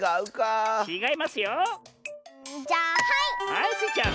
はいスイちゃん。